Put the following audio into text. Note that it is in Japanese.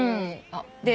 で